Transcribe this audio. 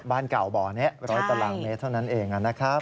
บ้านเก่าบ่อนี้๑๐๐ตารางเมตรเท่านั้นเองนะครับ